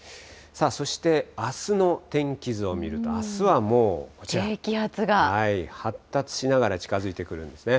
そして、あすの天気図を見ると、低気圧が。発達しながら近づいてくるんですね。